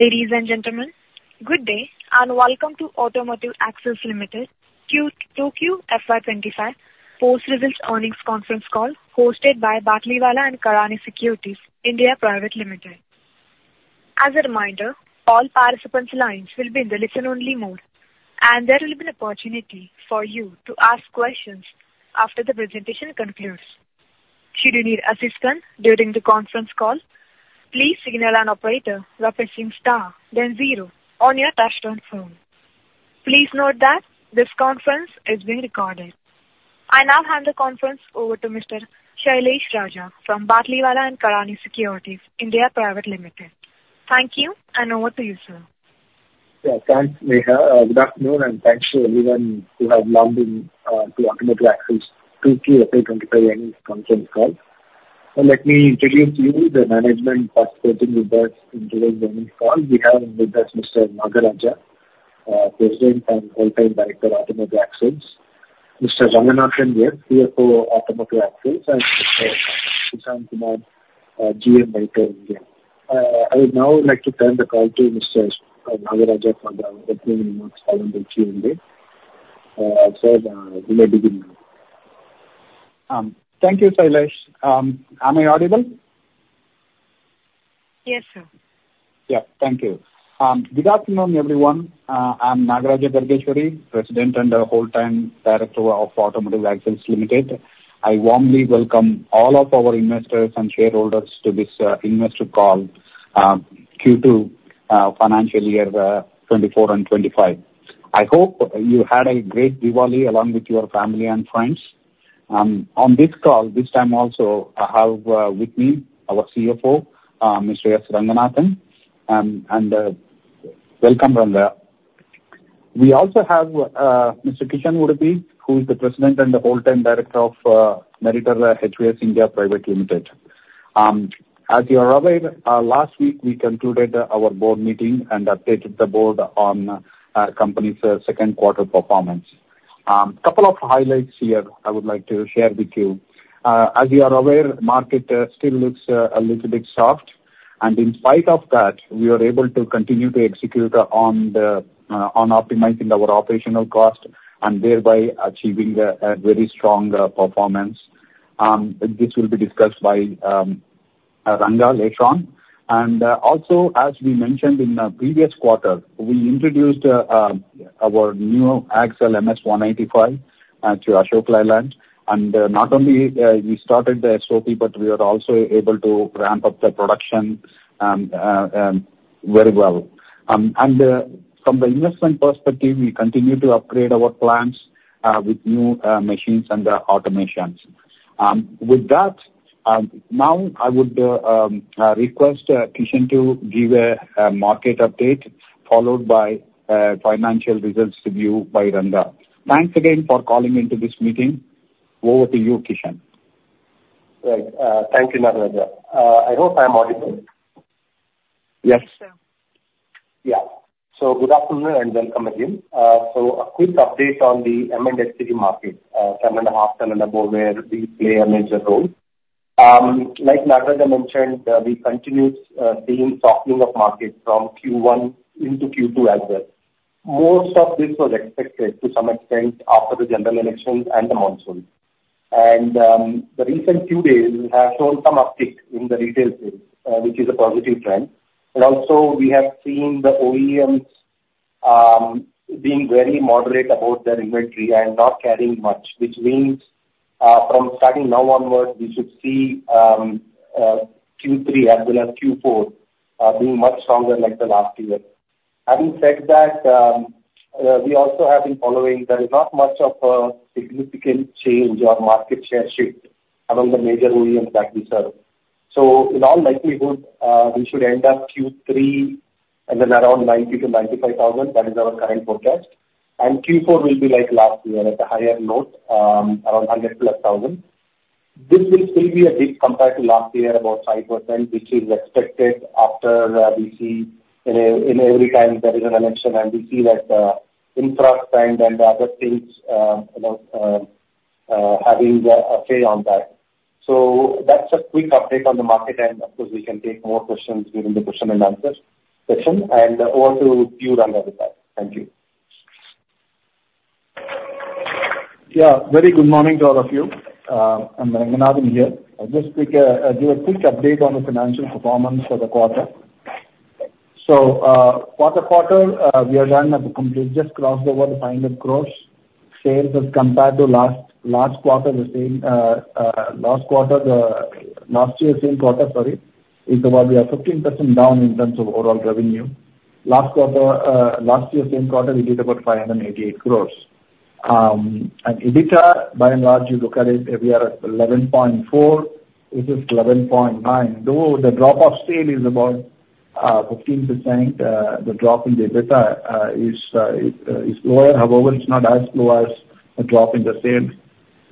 Ladies and gentlemen, good day and welcome to Automotive Axles Limited Q2 FY25 Post Results Earnings Conference Call hosted by Batlivala & Karani Securities India Pvt. Ltd. As a reminder, all participants' lines will be in the listen-only mode, and there will be an opportunity for you to ask questions after the presentation concludes. Should you need assistance during the conference call, please signal an operator by pressing star then zero on your touch-tone phone. Please note that this conference is being recorded. I now hand the conference over to Mr. Shailesh Raja from Batlivala & Karani Securities India Pvt. Ltd. Thank you, and over to you, sir. Yes, thanks, Neha. Good afternoon, and thanks to everyone who has joined the Automotive Axles Q2 FY25 earnings conference call. Let me introduce you to the management participating with us in today's earnings call. We have with us Mr. Nagaraja, President and Whole-Time Director of Automotive Axles, Mr. Ranganathan, CFO of Automotive Axles, and Mr. Sushant Kumar, GM Director of India. I would now like to turn the call to Mr. Nagaraja for the opening remarks following the Q&A. Sir, you may begin now. Thank you, Shailesh. Am I audible? Yes, sir. Yes, thank you. Good afternoon, everyone. I'm Nagaraja Gargeshwari, President and Whole-Time Director of Automotive Axles Limited. I warmly welcome all of our investors and shareholders to this investor call Q2 financial year 24 and 25. I hope you had a great Diwali along with your family and friends. On this call, this time also, I have with me our CFO, Mr. S. Ranganathan, and welcome, Ranga. We also have Mr. Kishan Urupi, who is the President and Whole-Time Director of Meritor HVS India Pvt. Ltd. As you are aware, last week we concluded our board meeting and updated the board on our company's second quarter performance. A couple of highlights here I would like to share with you. As you are aware, the market still looks a little bit soft, and in spite of that, we were able to continue to execute on optimizing our operational cost and thereby achieving a very strong performance. This will be discussed by Ranganathan later. And also, as we mentioned in the previous quarter, we introduced our new axles MS185 to Ashok Leyland. And not only did we start the SOP, but we were also able to ramp up the production very well. And from the investment perspective, we continue to upgrade our plants with new machines and automation. With that, now I would request Kishan to give a market update, followed by a financial results review by Ranga. Thanks again for calling into this meeting. Over to you, Kishan. Right. Thank you, Nagaraja. I hope I'm audible. Yes. Yes, sir. Yeah. So good afternoon and welcome again. So a quick update on the M&HCV market, 7.5-ton and above, where we play a major role. Like Nagaraja mentioned, we continued seeing softening of markets from Q1 into Q2 as well. Most of this was expected to some extent after the general elections and the monsoon. And the recent Q2 has shown some uptick in the retail sales, which is a positive trend. And also, we have seen the OEMs being very moderate about their inventory and not carrying much, which means from starting now onward, we should see Q3 as well as Q4 being much stronger like the last year. Having said that, we also have been following. There is not much of a significant change or market share shift among the major OEMs that we serve. So in all likelihood, we should end up Q3 and then around 90 to 95,000. That is our current forecast. And Q4 will be like last year at a higher note, around 100 plus thousand. This will still be a dip compared to last year, about 5%, which is expected after we see in every time there is an election and we see that infrastructure and other things having a say on that. So that's a quick update on the market, and of course, we can take more questions during the question and answer session. And over to you, Ranganathan. Thank you. Yeah, very good morning to all of you. I'm Ranganathan here. I'll just give a quick update on the financial performance for the quarter. So, for the quarter, sales have just crossed over the 500 crores. Sales, compared to last year's same quarter, sorry, we are about 15% down in terms of overall revenue. Last year's same quarter, we did about 588 crores, and EBITDA, by and large, you look at it, we are at 11.4% versus 11.9%. Though the drop in sales is about 15%, the drop in the EBITDA is lower. However, it's not as low as the drop in the sales.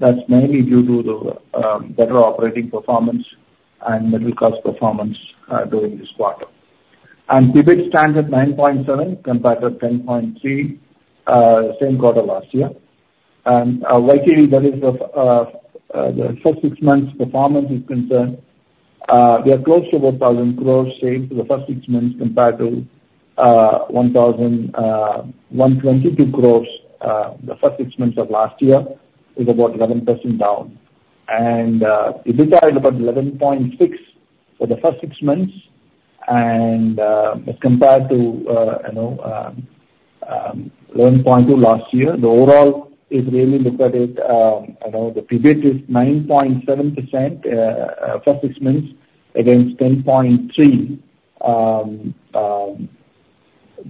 That's mainly due to the better operating performance and mix performance during this quarter, and EBIT stands at 9.7% compared to 10.3% same quarter last year. What is the first six months' performance is concerned, we are close to 1,000 crores in sales for the first six months compared to 1,122 crores. The first six months of last year is about 11% down. EBITDA is about 11.6% for the first six months. And compared to 11.2% last year, the overall, if we look at it, the EBIT is 9.7% first six months against 10.3%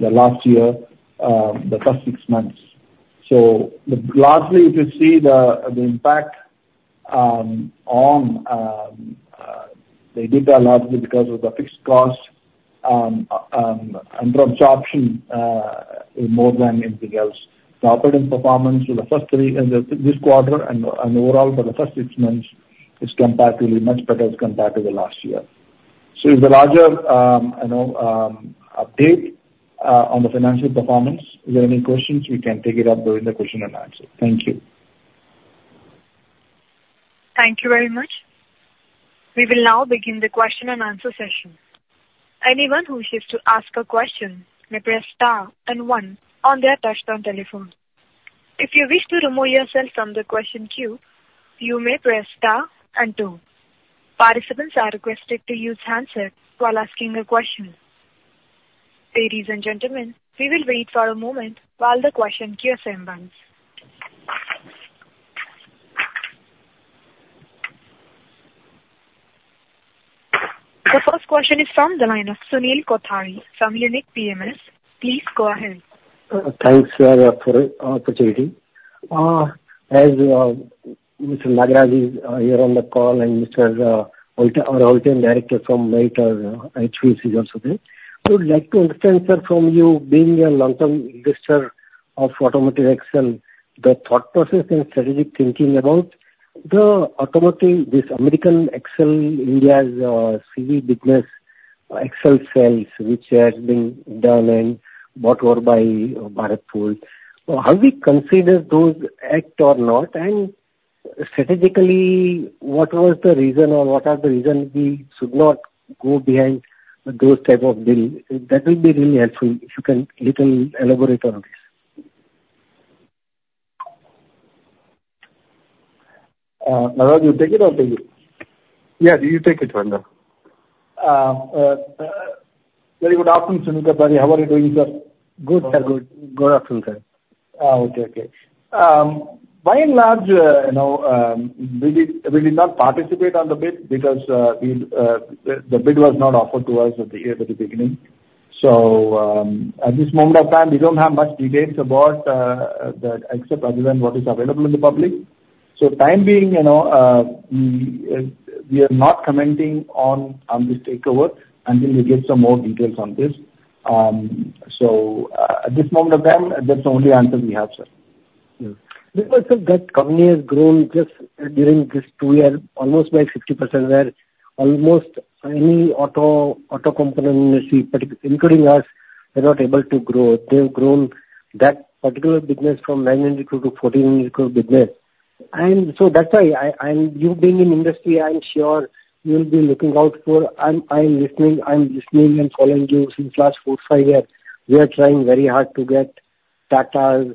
last year, the first six months. So largely, if you see the impact on the EBITDA largely because of the fixed cost and absorption is more than anything else. The operating performance for this quarter and overall for the first six months is comparatively much better compared to last year. So it's a larger update on the financial performance. If there are any questions, we can take it up during the question and answer. Thank you. Thank you very much. We will now begin the question and answer session. Anyone who wishes to ask a question may press star and one on their touch-tone telephone. If you wish to remove yourself from the question queue, you may press star and two. Participants are requested to use handset while asking a question. Ladies and gentlemen, we will wait for a moment while the question queue assembles. The first question is from the line of Sunil Kothari from Unique PMS. Please go ahead. Thanks, sir, for the opportunity. As Mr. Nagaraja is here on the call and our Whole-Time Director from Meritor HVS is also there, I would like to understand, sir, from you being a long-term investor of Automotive Axles, the thought process and strategic thinking about the automotive, this American Axle India's CV business, axle sales, which has been done and bought over by Bharat Forge. How do we consider those assets or not? And strategically, what was the reason or what are the reasons we should not go behind those type of deals? That will be really helpful if you can a little elaborate on this. Nagaraja, you take it or do you? Yeah, you take it, Ranganathan. Very good afternoon, Sunil Kothari. How are you doing, sir? Good, sir. Good afternoon, sir. Okay, okay. By and large, we did not participate in the bid because the bid was not offered to us at the beginning. So at this moment of time, we don't have much details about the acquisition other than what is available in the public. For the time being, we are not commenting on this takeover until we get some more details on this. So at this moment of time, that's the only answer we have, sir. Because that company has grown just during this two years, almost by 50% there. Almost any auto component industry, including us, they're not able to grow. They've grown that particular business from 900 crore to 1,400 crore business. And so that's why you being in industry, I'm sure you'll be looking out for. I'm listening and following you since last four, five years. We are trying very hard to get Tata's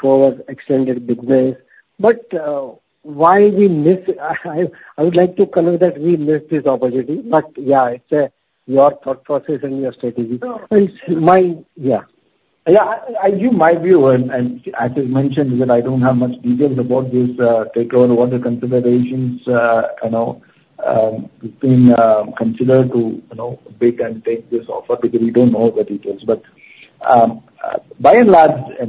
forward extended business. But why we miss, I would like to convey that we miss this opportunity. But yeah, it's your thought pROCss and your strategy. Yeah. Yeah, I give my view, and as you mentioned, I don't have much details about this takeover. What are the considerations being considered to bid and take this offer because we don't know the details? But by and large, as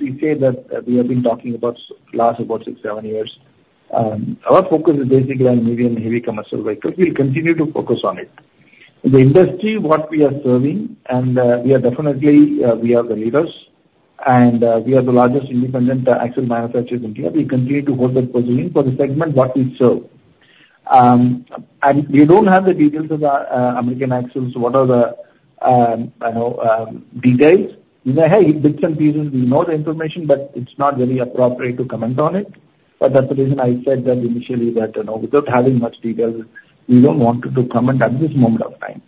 we say that we have been talking about last about six, seven years, our focus is basically on medium and heavy commercial vehicles. We'll continue to focus on it. The industry, what we are serving, and we are definitely the leaders, and we are the largest independent axle manufacturer in India. We continue to hold that position for the segment that we serve. And we don't have the details of American Axle. What are the details? We may have bits and pieces. We know the information, but it's not very appropriate to comment on it. But that's the reason I said that initially that without having much details, we don't want to comment at this moment of time.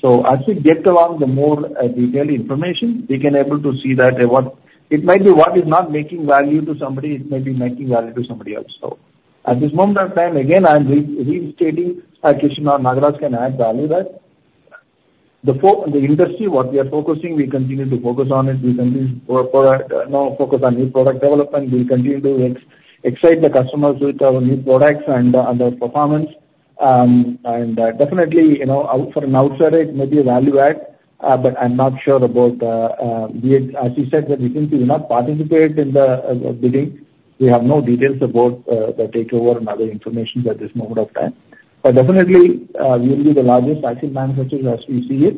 So as we get along the more detailed information, we can be able to see that it might be what is not making value to somebody. It may be making value to somebody else. So at this moment of time, again, I'm reinstating. Kishan or Nagaraja can add value that the industry, what we are focusing, we continue to focus on it. We continue to focus on new product development. We continue to excite the customers with our new products and our performance. And definitely, for an outsider, it may be a value add, but I'm not sure about the, as you said, that we simply do not participate in the bidding. We have no details about the takeover and other information at this moment of time. But definitely, we will be the largest axle manufacturer as we see it,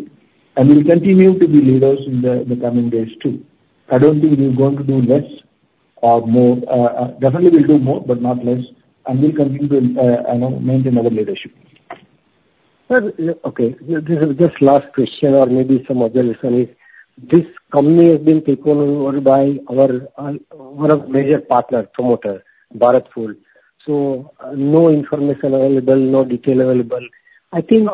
and we'll continue to be leaders in the coming days too. I don't think we're going to do less or more. Definitely, we'll do more, but not less, and we'll continue to maintain our leadership. Okay. This is just the last question or maybe some other reasons. This company has been taken over by one of the major partners, promoter, Bharat Forge. So no information available, no detail available. I think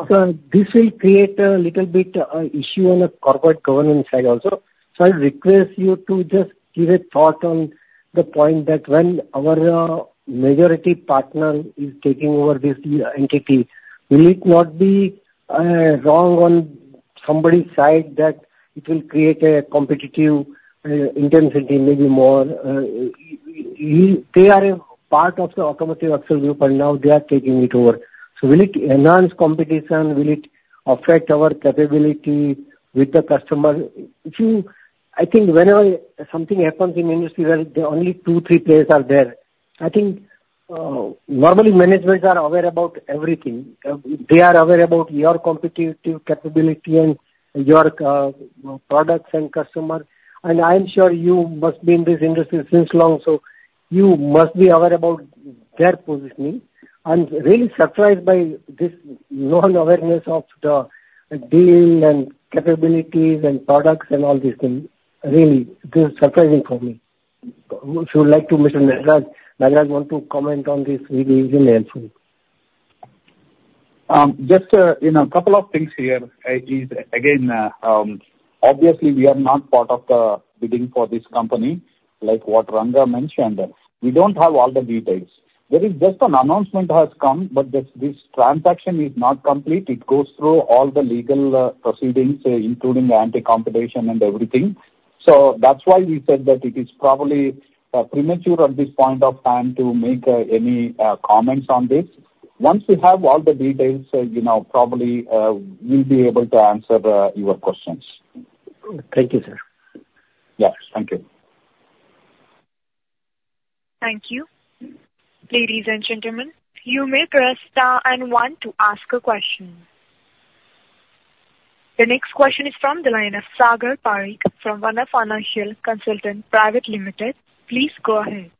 this will create a little bit of issue on the corporate governance side also. So I request you to just give a thought on the point that when our majority partner is taking over this entity, will it not be wrong on somebody's side that it will create a competitive intensity, maybe more? They are a part of the Automotive Axles group, and now they are taking it over. So will it enhance competition? Will it affect our capability with the customer? I think whenever something happens in industry where only two, three players are there, I think normally managements are aware about everything. They are aware about your competitive capability and your products and customers. And I'm sure you must be in this industry since long, so you must be aware about their positioning. I'm really surprised by this non-awareness of the deal and capabilities and products and all these things. Really, this is surprising for me. If you would like to, Mr. Nagaraja, want to comment on this, it will be really helpful. Just a couple of things here. Again, obviously, we are not part of the bidding for this company. Like what Ranganathan mentioned, we don't have all the details. There is just an announcement that has come, but this transaction is not complete. It goes through all the legal proceedings, including anti-competition and everything. So that's why we said that it is probably premature at this point of time to make any comments on this. Once we have all the details, probably we'll be able to answer your questions. Thank you, sir. Yes, thank you. Thank you. Ladies and gentlemen, you may press star and one to ask a question. The next question is from the line of Sagar Parekh from Bonanza Portfolio Ltd. Please go ahead.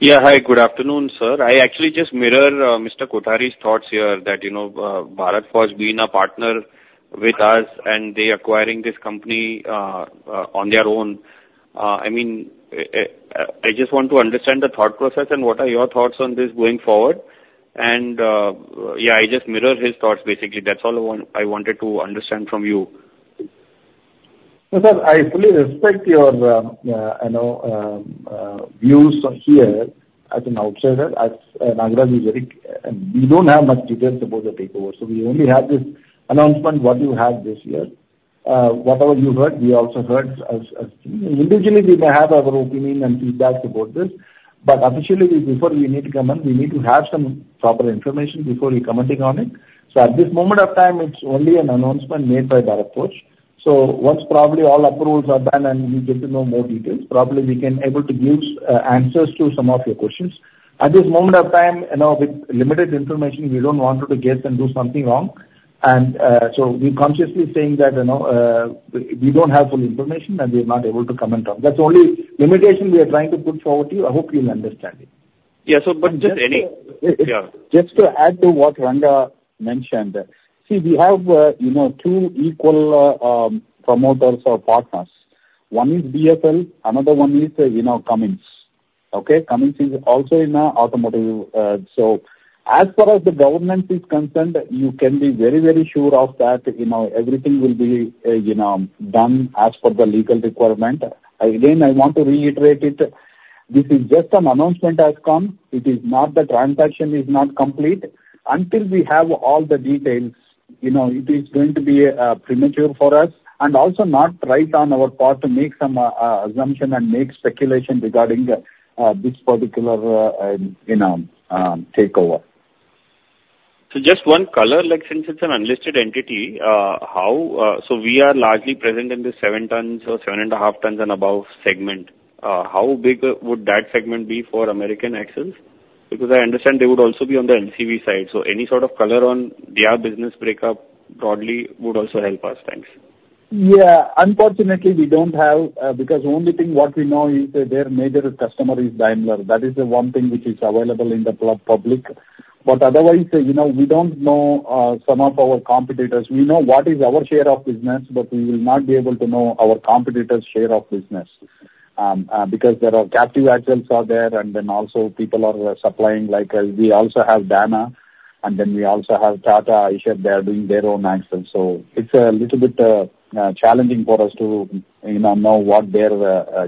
Yeah, hi. Good afternoon, sir. I actually just mirror Mr. Kothari's thoughts here that Bharat Forge has been a partner with us, and they are acquiring this company on their own. I mean, I just want to understand the thought pROCss and what are your thoughts on this going forward? And yeah, I just mirror his thoughts, basically. That's all I wanted to understand from you. Sir, I fully respect your views here as an outsider. As Nagaraja, we don't have much details about the takeover. So we only have this announcement, what you have this year. Whatever you heard, we also heard. Individually, we may have our opinion and feedback about this. But officially, before we need to come on, we need to have some proper information before we're commenting on it. So at this moment of time, it's only an announcement made by Bharat Forge. So once probably all approvals are done and we get to know more details, probably we can be able to give answers to some of your questions. At this moment of time, with limited information, we don't want to guess and do something wrong. And so we're consciously saying that we don't have full information and we're not able to comment on. That's the only limitation we are trying to put forward to you. I hope you'll understand it. Yeah, but just add to what Ranganathan mentioned. See, we have two equal promoters or partners. One is BFL. Another one is Cummins. Okay? Cummins is also in automotive. So as far as the government is concerned, you can be very, very sure that everything will be done as per the legal requirement. Again, I want to reiterate it. This is just an announcement that has come. It is not. The transaction is not complete until we have all the details. It is going to be premature for us and also not right on our part to make some assumption and make speculation regarding this particular takeover. So just one color, since it's an unlisted entity, so we are largely present in the seven tons or seven and a half tons and above segment. How big would that segment be for American Axles? Because I understand they would also be on the MCV side. So any sort of color on their business breakup broadly would also help us. Thanks. Yeah. Unfortunately, we don't have because the only thing what we know is that their major customer is Daimler. That is the one thing which is available in the public. But otherwise, we don't know some of our competitors. We know what is our share of business, but we will not be able to know our competitors' share of business because there are captive axles out there, and then also people are supplying. We also have Dana, and then we also have Tata. Ashok, they are doing their own axles. So it's a little bit challenging for us to know what their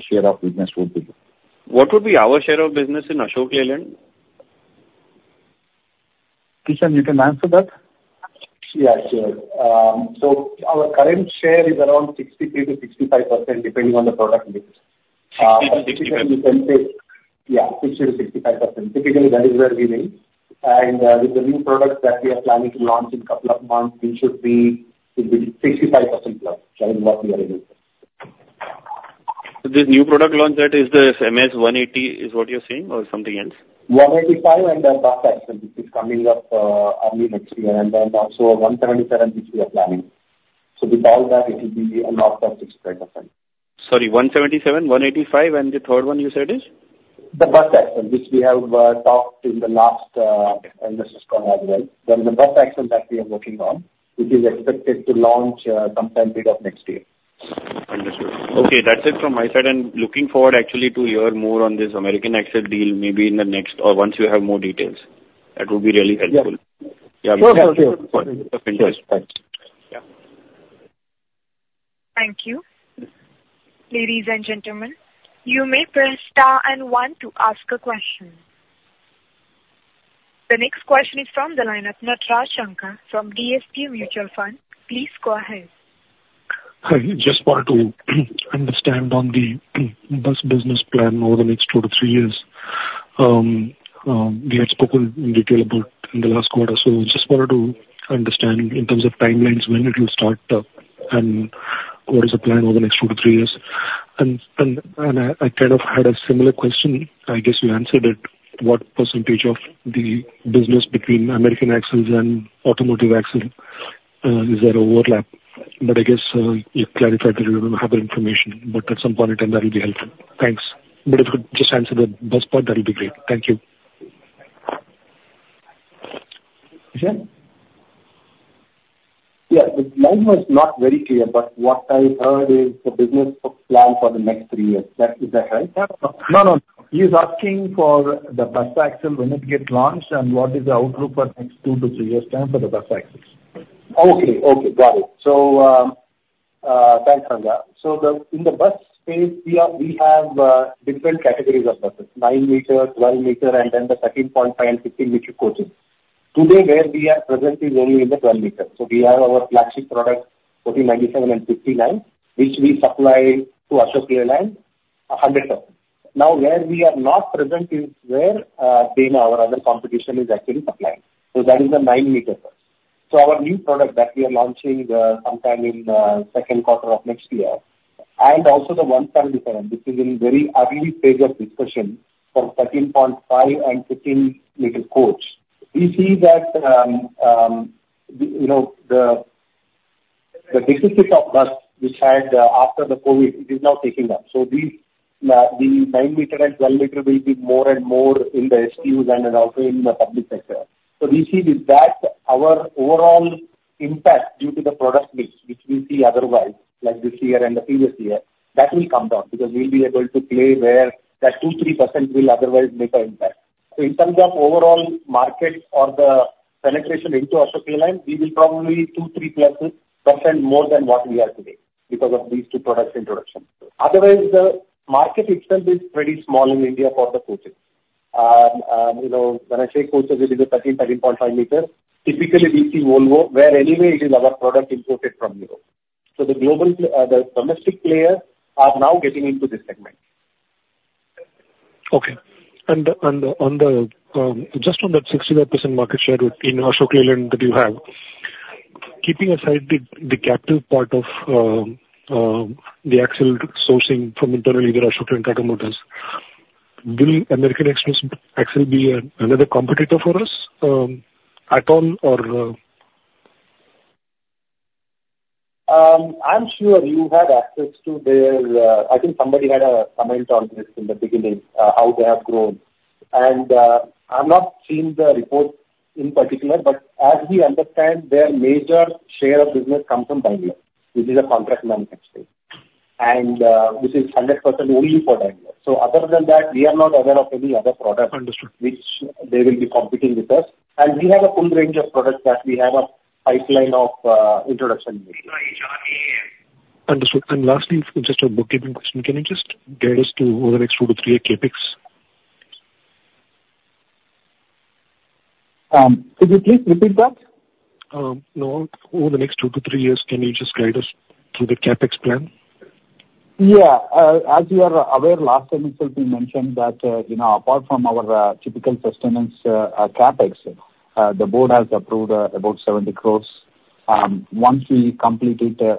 share of business would be. What would be our share of business in Ashok Leyland? Kishan, you can answer that? Yeah, sure. So our current share is around 63%-65% depending on the product needs. 63 to 65? Yeah, 60%-65%. Typically, that is where we reach. And with the new products that we are planning to launch in a couple of months, we should be 65% plus, which is what we are aiming for. So this new product launch that is the MS185, is what you're saying or something else? MS185 and Bus Axle is coming up only next year, and then also 177, which we are planning, so with all that, it will be around 65%. Sorry, 177, 185, and the third one you said is? The Bus Axle, which we have talked in the last investors' call as well. That is the Bus Axle that we are working on, which is expected to launch sometime mid of next year. Understood. Okay, that's it from my side. And looking forward actually to hear more on this American Axle deal, maybe in the next or once we have more details. That would be really helpful. Sure, sure, sure. Yeah, we'll be sure to follow up with you. Thanks. Thank you. Ladies and gentlemen, you may press star and one to ask a question. The next question is from the line of Nataraj Shankar from DSP Mutual Fund. Please go ahead. I just wanted to understand on the bus business plan over the next two to three years. We had spoken in detail about in the last quarter. So I just wanted to understand in terms of timelines, when it will start and what is the plan over the next two to three years. And I kind of had a similar question. I guess you answered it. What percentage of the business between American Axles and Automotive Axles? Is there overlap? But I guess you clarified that you don't have the information, but at some point in time, that will be helpful. Thanks. But if you could just answer the bus part, that will be great. Thank you. Yeah, the line was not very clear, but what I heard is the business plan for the next three years. Is that right? No, no. He is asking for the Bus Axle when it gets launched and what is the outlook for the next two to three years' time for the Bus Axles. Okay, okay. Got it. So thanks, Ranga. So in the bus space, we have different categories of buses, nine meter, 12 meter, and then the 13.5 and 15 meter coaches. Today, where we are present is only in the 12 meter. So we have our flagship product, 1497 and 159, which we supply to Ashok Leyland 100%. Now, where we are not present is where Dana, our other competition, is actually supplying. So that is the nine meter bus. So our new product that we are launching sometime in the second quarter of next year, and also the 177, which is in very early stage of discussion for 13.5 and 15 meter coach. We see that the deficit of bus we had after the COVID, it is now taking up. The 9-meter and 12-meter will be more and more in the STUs and also in the public sector. So we see with that, our overall impact due to the product needs, which we see otherwise, like this year and the previous year, that will come down because we'll be able to play where that 2-3% will otherwise make an impact. So in terms of overall market or the penetration into Ashok Leyland, we will probably 2-3% plus more than what we are today because of these two products' introduction. Otherwise, the market itself is pretty small in India for the coaches. When I say coaches, it is 13-13.5 meters. Typically, we see Volvo, where anyway it is our product imported from Europe. So the domestic players are now getting into this segment. Okay. And just on that 65% market share in Ashok Leyland that you have, keeping aside the captive part of the axle sourcing from internally either Ashok and Tata Motors, will American Axles be another competitor for us at all or? I'm sure you had access to their, I think somebody had a comment on this in the beginning, how they have grown, and I've not seen the report in particular, but as we understand, their major share of business comes from Daimler, which is a contract manufacturing, and which is 100% only for Daimler. So other than that, we are not aware of any other product which they will be competing with us, and we have a full range of products that we have a pipeline of introduction in India. Understood. And lastly, just a bookkeeping question. Can you just guide us to over the next two- to three-year CapEx? Could you please repeat that? No. Over the next two to three years, can you just guide us through the CapEx plan? Yeah. As you are aware, last time itself, we mentioned that apart from our typical sustenance CAPEX, the board has approved about 70 crores. Once we complete that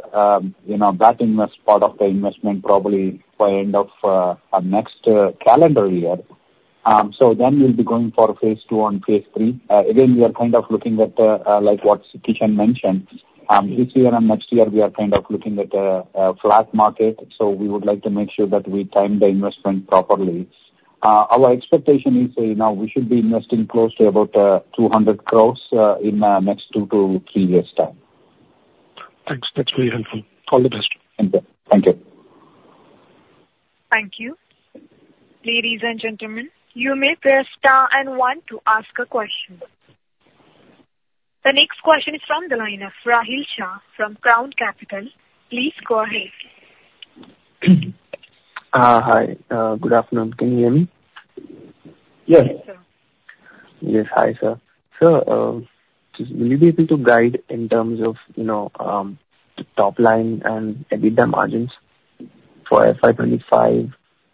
part of the investment, probably by end of next calendar year, so then we'll be going for phase two and phase three. Again, we are kind of looking at what Kishan mentioned. This year and next year, we are kind of looking at a flat market. So we would like to make sure that we time the investment properly. Our expectation is we should be investing close to about 200 crores in the next two to three years' time. Thanks. That's very helpful. All the best. Thank you. Thank you. Ladies and gentlemen, you may press star and one to ask a question. The next question is from the line of Rahil Shah from Crown Capital. Please go ahead. Hi. Good afternoon. Can you hear me? Yes. Yes. Hi, sir. So will you be able to guide in terms of top line and EBITDA margins for FY25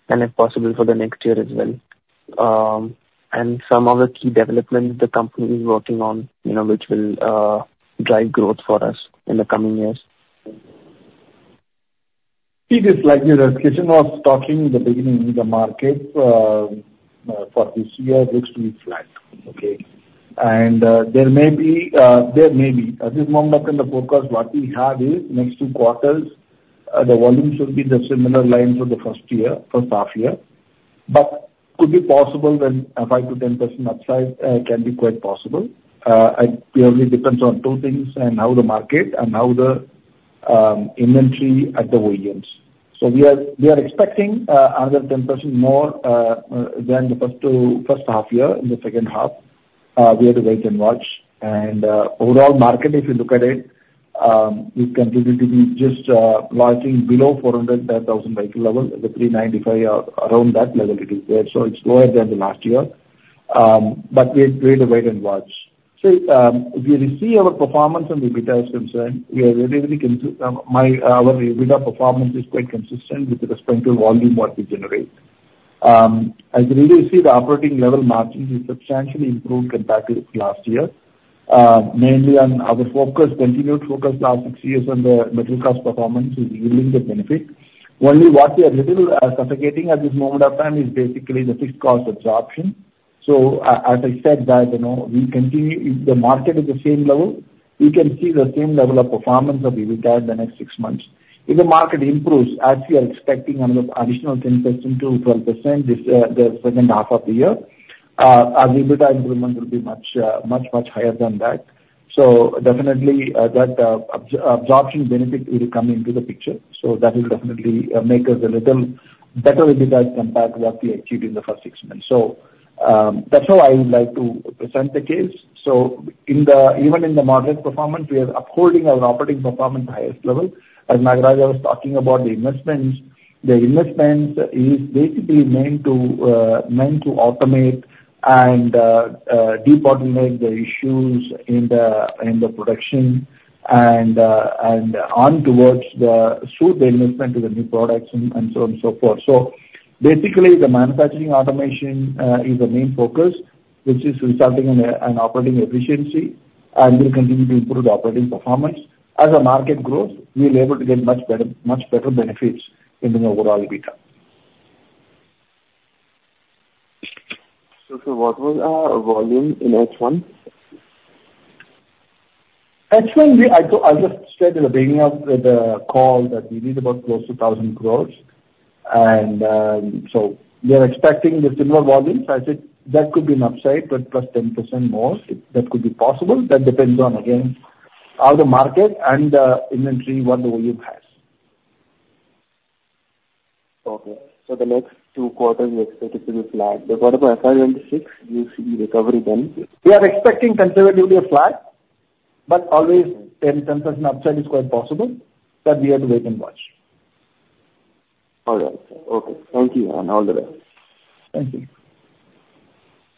and if possible for the next year as well, and some of the key developments the company is working on, which will drive growth for us in the coming years? It is like Kishan was talking in the beginning, the market for this year looks to be flat. Okay? And there may be at this moment in the forecast, what we have is next two quarters, the volume should be the similar line for the first half year. But could be possible that 5%-10% upside can be quite possible. It purely depends on two things and how the market and how the inventory at the volumes. So we are expecting another 10% more than the first half year in the second half. We had to wait and watch. And overall market, if you look at it, we continue to be just marching below 400,000 vehicle level, the 395, around that level it is there. So it's lower than the last year. But we had to wait and watch. So if you see our performance on EBITDA as concerned, we are very concerned. Our EBITDA performance is quite consistent with respect to volume what we generate. As you see, the operating level margin has substantially improved compared to last year. Mainly on our focus, continued focus last six years on the material cost performance is yielding the benefit. Only what we are a little suffocating at this moment of time is basically the fixed cost absorption. So as I said, we continue the market at the same level. We can see the same level of performance of EBITDA in the next six months. If the market improves, as we are expecting an additional 10%-12% the second half of the year, our EBITDA improvement will be much, much, much higher than that. So definitely that absorption benefit will come into the picture. So that will definitely make us a little better EBITDA compared to what we achieved in the first six months. So that's how I would like to present the case. So even in the moderate performance, we are upholding our operating performance at the highest level. As Nagaraja was talking about the investments, the investments is basically meant to automate and deep automate the issues in the production and on towards the suitable investment to the new products and so on and so forth. So basically, the manufacturing automation is the main focus, which is resulting in an operating efficiency, and we'll continue to improve the operating performance. As the market grows, we'll be able to get much better benefits in the overall EBITDA. So what was our volume in H1? H1, I just said in the beginning of the call that we need about close to 1,000 crores. We are expecting the similar volumes. I said that could be an upside, but plus 10% more. That could be possible. That depends on, again, how the market and the inventory, what the volume has. Okay. So the next two quarters, we expect it to be flat. But what about FY26? Do you see recovery then? We are expecting conservatively a flat, but always 10% upside is quite possible. But we have to wait and watch. All right. Okay. Thank you and all the best. Thank you.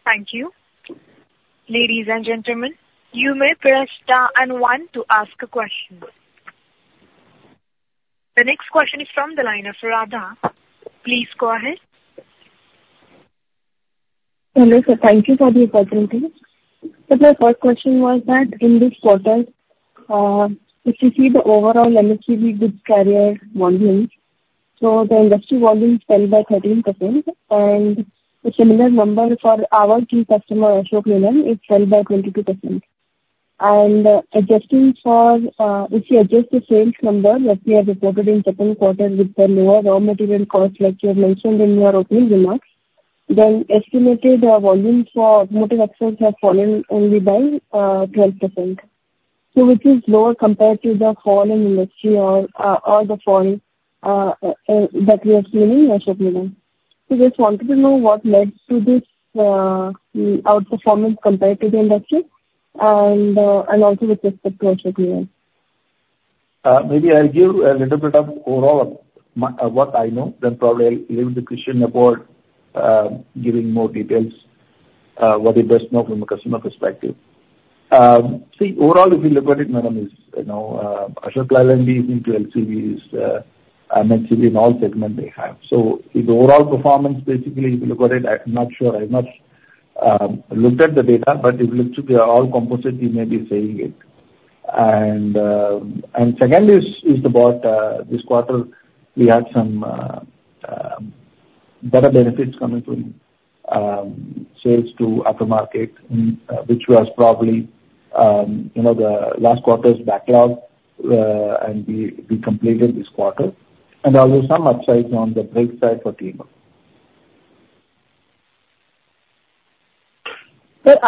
Thank you. Ladies and gentlemen, you may press star and one to ask a question. The next question is from the line of Radha. Please go ahead. Hello. So thank you for the opportunity. So my first question was that in this quarter, if you see the overall M&HCV goods carrier volumes, so the industry volume fell by 13%, and a similar number for our key customer, Ashok Leyland, it fell by 22%. And adjusting the sales number that we have reported in second quarter with the lower raw material cost, like you have mentioned in your opening remarks, then estimated volume for Automotive Axles has fallen only by 12%, so which is lower compared to the fall in industry or the fall that we are seeing in Ashok Leyland. So just wanted to know what led to this outperformance compared to the industry and also with respect to Ashok Leyland. Maybe I'll give a little bit of overall what I know, then probably I'll leave the question about giving more details, what we best know from a customer perspective. See, overall, if you look at it, Ashok Leyland is into LCVs and M&HCV in all segments they have. So the overall performance, basically, if you look at it, I'm not sure. I've not looked at the data, but if you look to the all composite, you may be saying it and second is about this quarter, we had some better benefits coming from sales to aftermarket, which was probably the last quarter's backlog, and we completed this quarter and there were some upsides on the brake side for Tata. But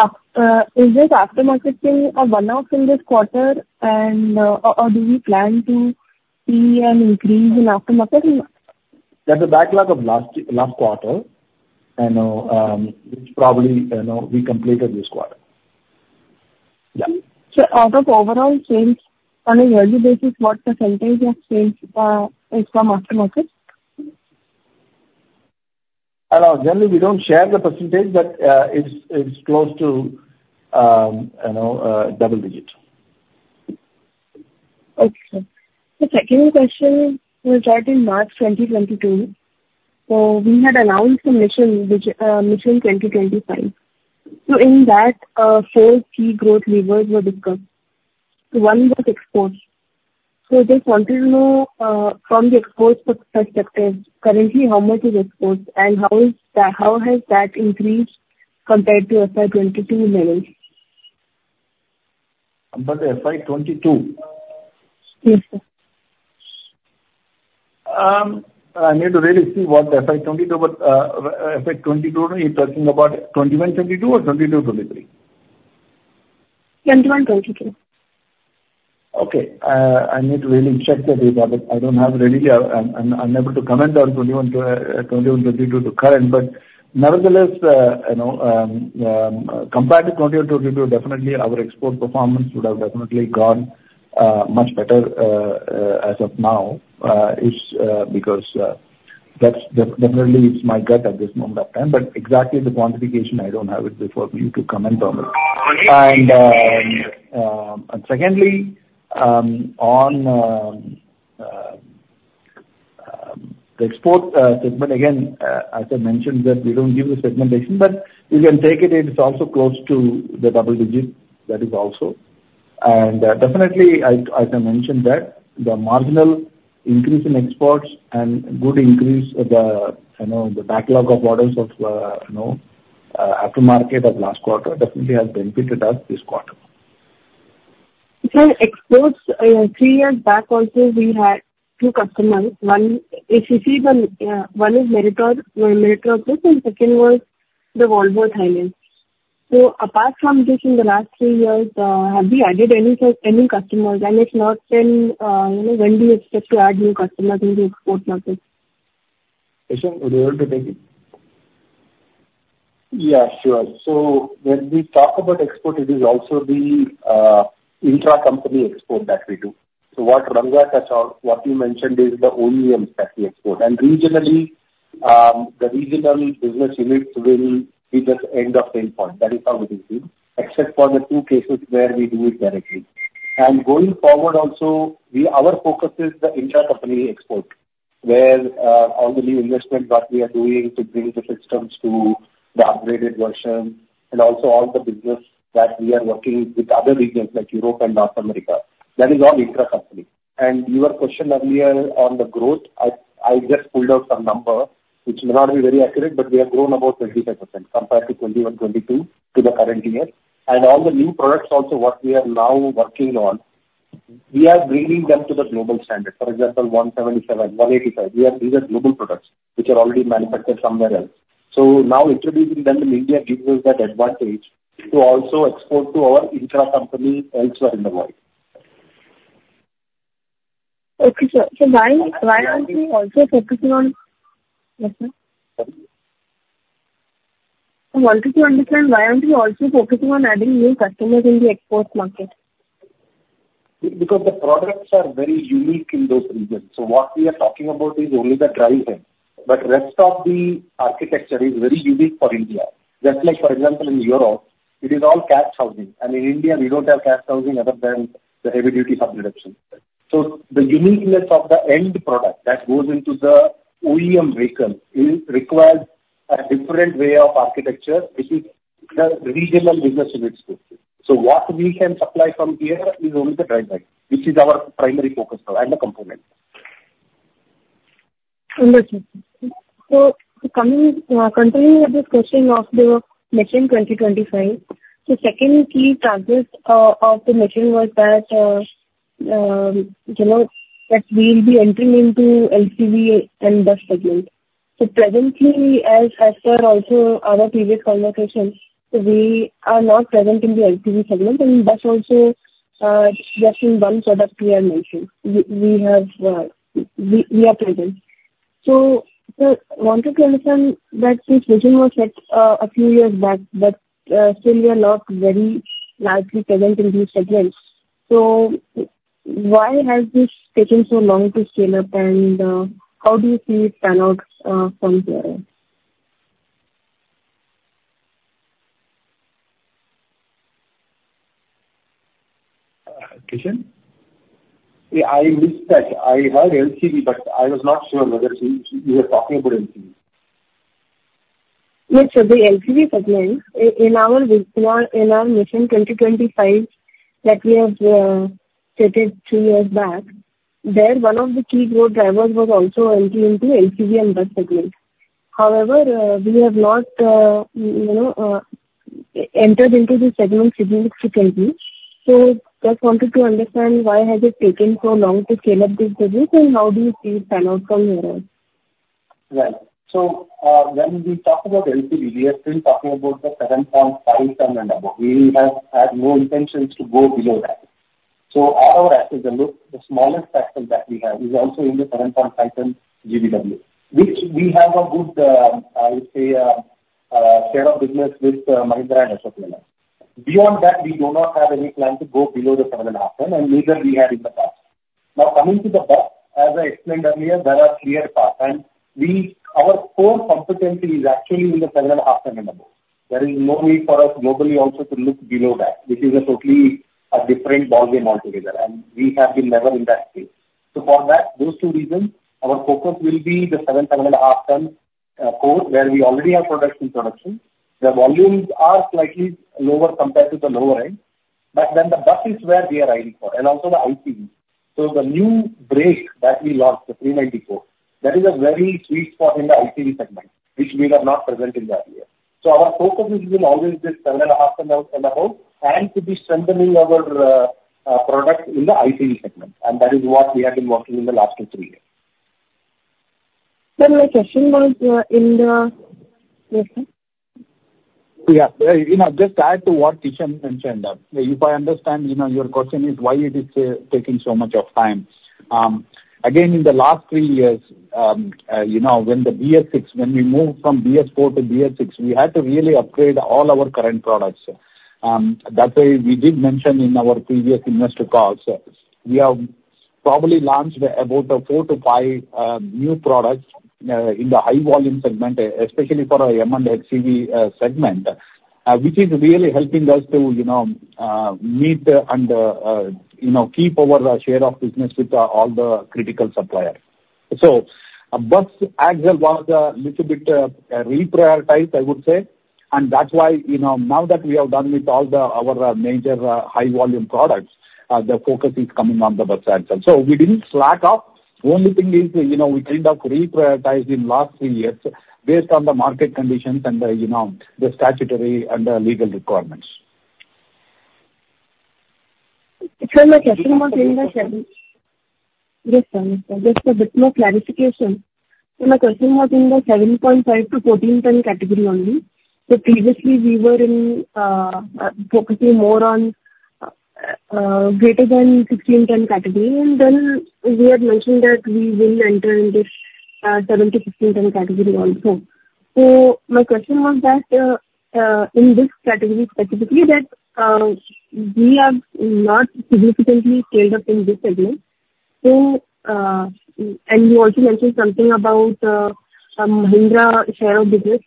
is this aftermarket thing a one-off in this quarter, or do we plan to see an increase in aftermarket? That's the backlog of last quarter, and it's probably we completed this quarter. So out of overall sales, on a yearly basis, what percentage of sales is from aftermarket? I know. Generally, we don't share the percentage, but it's close to double digit. Okay. The second question was right in March 2022. So we had announced the Mission 2025. So in that, four key growth levers were discussed. One was exports. So just wanted to know from the exports perspective, currently, how much is exports, and how has that increased compared to FY22 levels? But FY22? Yes, sir. I need to really see what FY22, but FY22, you're talking about 21-22 or 22-23? 21-22. Okay. I need to really check the data, but I don't have it ready. I'm unable to comment on 2022 to current, but nevertheless, compared to 2022, definitely our export performance would have definitely gone much better as of now because that's definitely my gut at this moment of time. But exactly the quantification, I don't have it before for you to comment on it. And secondly, on the export segment, again, as I mentioned, that we don't give the segmentation, but you can take it. It's also close to the double digit. That is also. And definitely, as I mentioned, that the marginal increase in exports and good increase of the backlog of orders of aftermarket of last quarter definitely has benefited us this quarter. So exports three years back also, we had two customers. If you see them, one is Meritor, Meritor Group, and second was the Volvo Thailand. So apart from this in the last three years, have we added any customers? And if not, then when do you expect to add new customers into export market? Kishan, would you like to take it? Yeah, sure. So when we talk about export, it is also the intra-company export that we do. So what Ranga touched on, what you mentioned is the OEMs that we export. And regionally, the regional business units will be just end of same point. That is how it is done, except for the two cases where we do it directly. And going forward also, our focus is the intra-company export, where all the new investment that we are doing to bring the systems to the upgraded version and also all the business that we are working with other regions like Europe and North America. That is all intra-company. And your question earlier on the growth, I just pulled out some number, which may not be very accurate, but we have grown about 25% compared to 2022 to the current year. All the new products also, what we are now working on, we are bringing them to the global standard. For example, 177, 185, these are global products which are already manufactured somewhere else. So now introducing them in India gives us that advantage to also export to our intra-company elsewhere in the world. Okay, so why are we also focusing on yes, sir? Sorry? I wanted to understand why aren't we also focusing on adding new customers in the export market? Because the products are very unique in those regions, so what we are talking about is only the drive end, but the rest of the architecture is very unique for India. Just like, for example, in Europe, it is all cast housing, and in India, we don't have cast housing other than the heavy-duty subdeck, so the uniqueness of the end product that goes into the OEM vehicle requires a different way of architecture, which is the regional business units too, so what we can supply from here is only the drive side, which is our primary focus and the component. Yes, sir. So continuing with this question of the Mission 2025, the second key target of the mission was that we will be entering into LCV and bus segment. So presently, as per also our previous conversation, we are not present in the LCV segment, and that's also just in one product we have mentioned. We are present. So I wanted to understand that this vision was set a few years back, but still, we are not very largely present in these segments. So why has this taken so long to scale up, and how do you see it pan out from here? Kishan? Yeah, I missed that. I heard LCV, but I was not sure whether you were talking about LCV. Yes, so the LCV segment in our Mission 2025 that we have stated two years back, there one of the key growth drivers was also entry into LCV and bus segment. However, we have not entered into the segment significantly. So just wanted to understand why has it taken so long to scale up this business, and how do you see it pan out from here? Right. So when we talk about LCV, we are still talking about the 7.5-ton and above. We have had no intentions to go below that. So at our axles, the smallest axle that we have is also in the 7.5-ton GVW, which we have a good, I would say, share of business with Mahindra and Ashok Leyland. Beyond that, we do not have any plan to go below the 7.5-ton, and neither we had in the past. Now, coming to the bus, as I explained earlier, there are clear paths, and our core competency is actually in the 7.5-ton and above. There is no need for us globally also to look below that, which is a totally different ballgame altogether, and we have been never in that state. So for that, those two reasons, our focus will be the 7, 7.5 ton core, where we already have products in production. The volumes are slightly lower compared to the lower end, but then the bus is where we are aiming for, and also the ICV. So the new brake that we launched, the 394, that is a very sweet spot in the ICV segment, which we were not present in that year. So our focus will always be 7.5 ton and above and to be strengthening our product in the ICV segment. And that is what we have been working on in the last two to three years. But my question was in the. Yes, sir? Yeah. Just add to what Kishan mentioned. If I understand, your question is why it is taking so much of time. Again, in the last three years, when the BS6, when we moved from BS4 to BS6, we had to really upgrade all our current products. That's why we did mention in our previous investor calls. We have probably launched about four to five new products in the high volume segment, especially for our M and LCV segment, which is really helping us to meet and keep our share of business with all the critical suppliers. So bus axle was a little bit reprioritized, I would say. And that's why now that we have done with all our major high volume products, the focus is coming on the bus axle. So we didn't slack off. The only thing is we kind of reprioritized in the last three years based on the market conditions and the statutory and legal requirements. So my question was in the 7. Yes, sir. Just a bit more clarification. So my question was in the 7.5-14 ton category only. So previously, we were focusing more on greater than 15-ton category. And then we had mentioned that we will enter into 7-15 ton category also. So my question was that in this category specifically, that we have not significantly scaled up in this segment. And you also mentioned something about Mahindra share of business.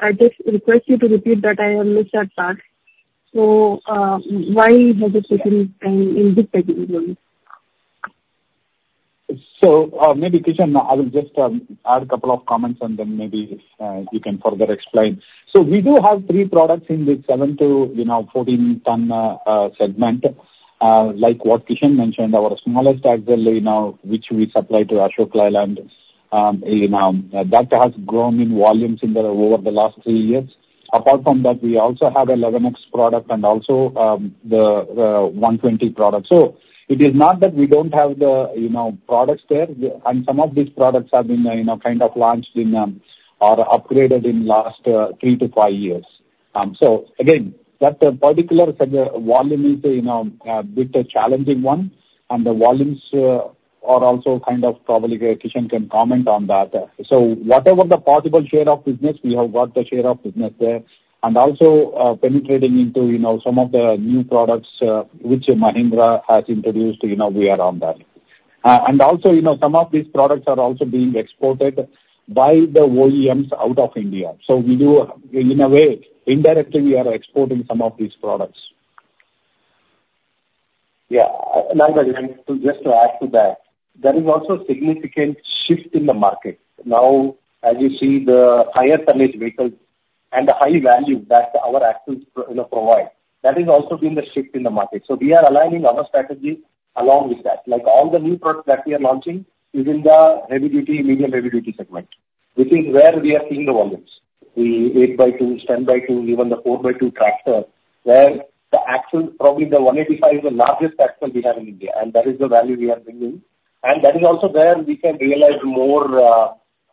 I just request you to repeat that. I have missed that part. So why has it taken time in this segment only? Maybe, Kishan, I will just add a couple of comments, and then maybe you can further explain. We do have three products in the 7- to 14-ton segment, like what Kishan mentioned, our smallest axle, which we supply to Ashok Leyland. That has grown in volumes over the last three years. Apart from that, we also have a 11X product and also the 120 product. So it is not that we don't have the products there. And some of these products have been kind of launched in or upgraded in the last three- to five-year. So again, that particular volume is a bit challenging one. And the volumes are also kind of probably Kishan can comment on that. So whatever the possible share of business, we have got the share of business there. And also penetrating into some of the new products which Mahindra has introduced, we are on that. And also some of these products are also being exported by the OEMs out of India. So in a way, indirectly, we are exporting some of these products. Yeah. Just to add to that, there is also a significant shift in the market. Now, as you see, the higher tonnage vehicles and the high value that our axles provide, that has also been the shift in the market. So we are aligning our strategy along with that. All the new products that we are launching are in the heavy-duty, medium heavy-duty segment, which is where we are seeing the volumes. The 8x2, 10x2, even the 4x2 tractor, where the axle, probably the 185 is the largest axle we have in India. And that is the value we are bringing. And that is also where we can realize more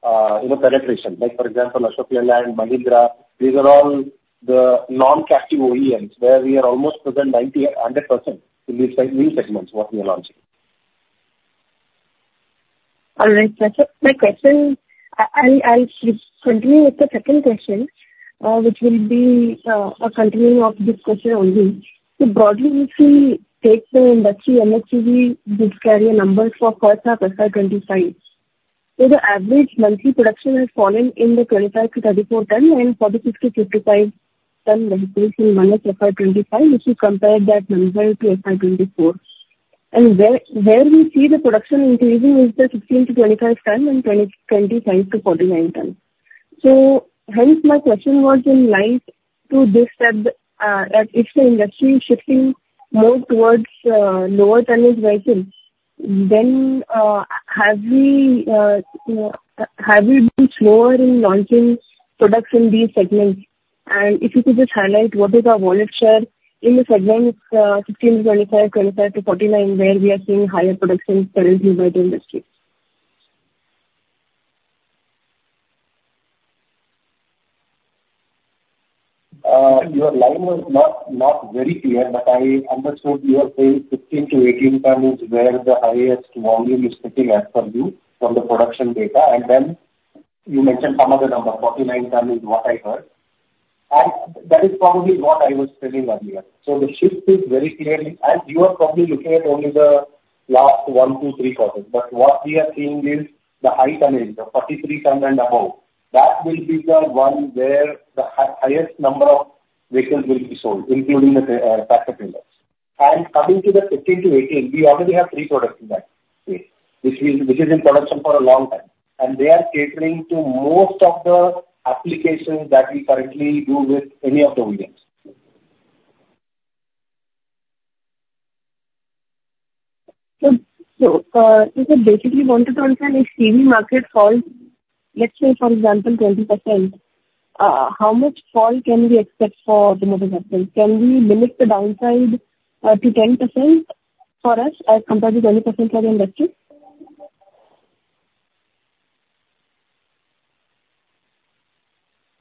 penetration. For example, Ashok Leyland, Mahindra, these are all the non-captive OEMs where we are almost present 100% in these new segments what we are launching. All right. My question, I'll continue with the second question, which will be a continuation of this question only, so broadly, if we take the industry M&HCV goods carrier numbers for first half FY25, so the average monthly production has fallen in the 25 to 34 tons and 46 to 55 ton vehicles in H1 FY25, if you compare that number to FY24, and where we see the production increasing is the 16 to 25 ton and 25 to 49 ton, so hence, my question was in light of this that if the industry is shifting more towards lower tonnage vehicles, then have we been slower in launching products in these segments, and if you could just highlight what is our volume share in the segments 15 to 25, 25 to 49, where we are seeing higher production currently by the industry? Your line was not very clear, but I understood you were saying 15-18 ton is where the highest volume is sitting at for you from the production data, and then you mentioned some other number, 49 ton is what I heard. That is probably what I was telling earlier. The shift is very clearly, and you are probably looking at only the last one, two, three quarters. What we are seeing is the high tonnage, the 43 ton and above. That will be the one where the highest number of vehicles will be sold, including the tractor trailers. Coming to the 15-18, we already have three products in that space, which is in production for a long time. They are catering to most of the applications that we currently do with any of the OEMs. Basically, you wanted to understand if CV market falls, let's say, for example, 20%, how much fall can we expect for Automotive Axles? Can we limit the downside to 10% for us as compared to 20% for the industry?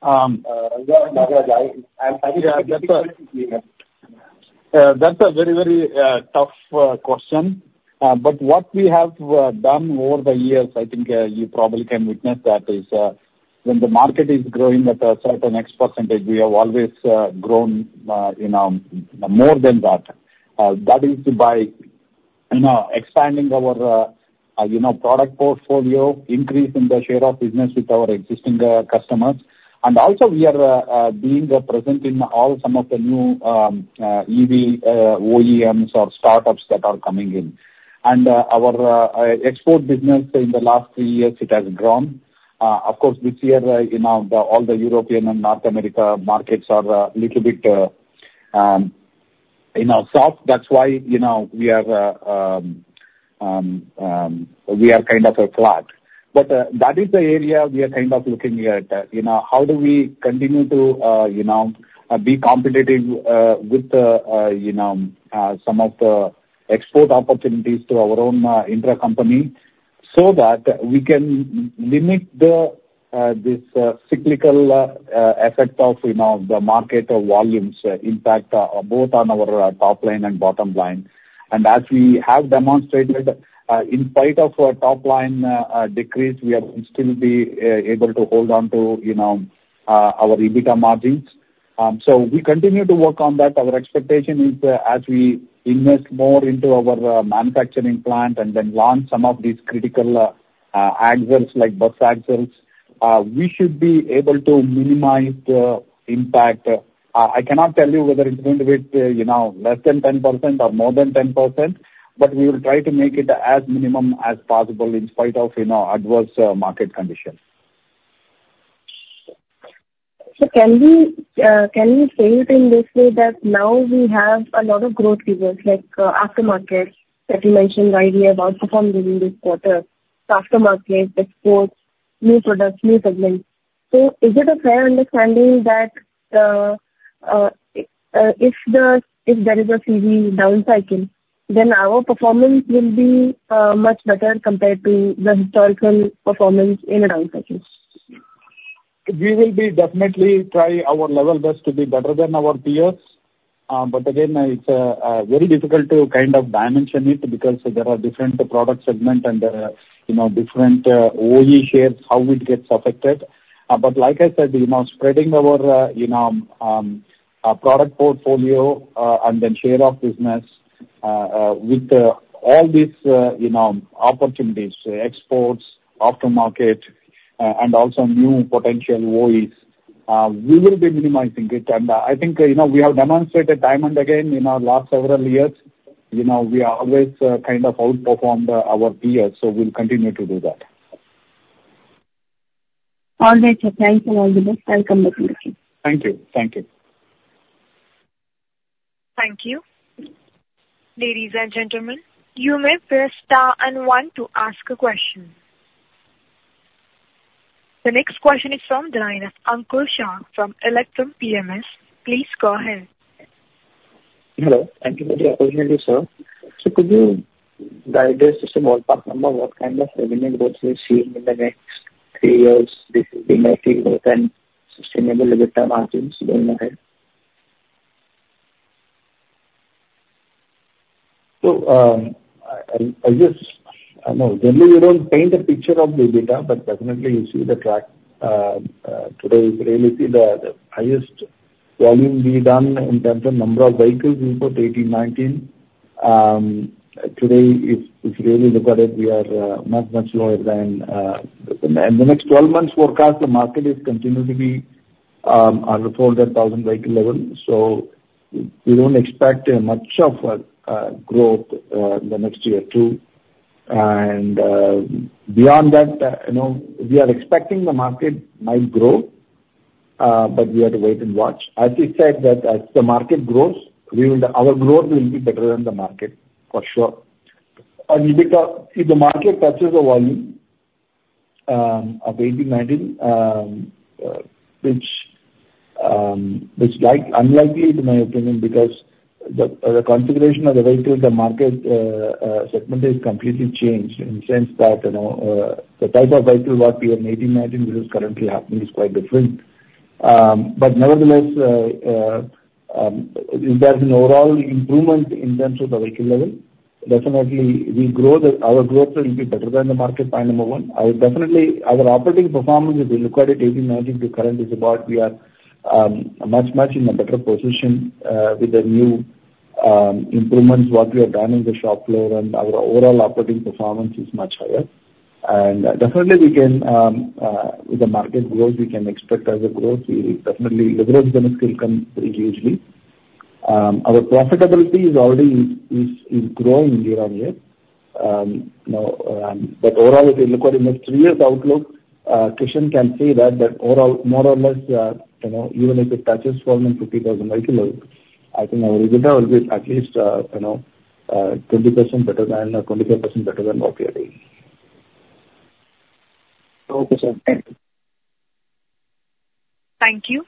That's a very, very tough question. But what we have done over the years, I think you probably can witness that is when the market is growing at a certain X%, we have always grown more than that. That is by expanding our product portfolio, increasing the share of business with our existing customers. And also, we are being present in all some of the new EV OEMs or startups that are coming in. And our export business in the last three years, it has grown. Of course, this year, all the European and North America markets are a little bit soft. That's why we are kind of flat. But that is the area we are kind of looking at. How do we continue to be competitive with some of the export opportunities to our own intercompany so that we can limit this cyclical effect of the market volumes impact both on our top line and bottom line? As we have demonstrated, in spite of our top line decrease, we have still been able to hold on to our EBITDA margins. We continue to work on that. Our expectation is that as we invest more into our manufacturing plant and then launch some of these critical axles like bus axles, we should be able to minimize the impact. I cannot tell you whether it's going to be less than 10% or more than 10%, but we will try to make it as minimum as possible in spite of adverse market conditions. So can we say it in this way that now we have a lot of growth reasons like aftermarket that you mentioned earlier about performing this quarter? So aftermarket, exports, new products, new segments. So is it a fair understanding that if there is a CV down cycle, then our performance will be much better compared to the historical performance in a down cycle? We will definitely try our level best to be better than our peers. But again, it's very difficult to kind of dimension it because there are different product segments and different OE shares, how it gets affected. But like I said, spreading our product portfolio and then share of business with all these opportunities, exports, aftermarket, and also new potential OEs, we will be minimizing it. And I think we have demonstrated time and again in our last several years. We have always kind of outperformed our peers. So we'll continue to do that. All right. Thanks a lot. Best. Welcome back, Mr. Kishan. Thank you. Thank you. Thank you. Ladies and gentlemen, you may press star and one to ask a question. The next question is from the line of Ankit Shah from Electrum PMS. Please go ahead. Hello. Thank you for the opportunity, sir. So could you guide us just a ballpark number of what kind of revenue growth we're seeing in the next three years with sustainable EBITDA margins going ahead? I guess, I don't know. Generally, you don't paint a picture of the EBITDA, but definitely, you see the trend. Today, you can really see the highest volume we've done in terms of number of vehicles in 2018, 2019. Today, if you really look at it, we are much, much lower than in the next 12 months' forecast, the market is continuing to be under 400,000 vehicle level. So we don't expect much of growth in the next year or two. And beyond that, we are expecting the market might grow, but we have to wait and watch. As you said, that as the market grows, our growth will be better than the market, for sure. And if the market touches the volume of 2018, 2019, which is unlikely, in my opinion, because the configuration of the vehicle in the market segment has completely changed in the sense that the type of vehicle what we had in 2018, 2019, which is currently happening, is quite different. But nevertheless, if there's an overall improvement in terms of the vehicle level, definitely, our growth will be better than the market by number one. Our operating performance, if you look at it 2018, 2019 to current, is about we are much, much in a better position with the new improvements what we have done in the shop floor, and our overall operating performance is much higher. And definitely, with the market growth, we can expect further growth. Definitely, leverage benefits will come pretty hugely. Our profitability is already growing year on year. But overall, if you look at the next three years' outlook, Kishan can say that more or less, even if it touches 450,000 vehicles, I think our EBITDA will be at least 20% better than 25% better than what we are doing. Okay, sir. Thank you. Thank you.